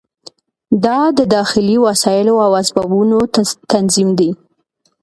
دا د داخلي وسایلو او اسبابو تنظیم دی.